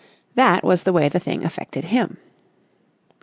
That was the way the thing affected him.